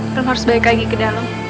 terus harus balik lagi ke dalam